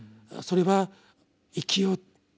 それは「生きよ」